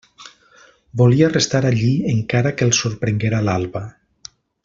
Volia restar allí, encara que el sorprenguera l'alba.